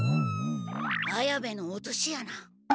綾部の落とし穴。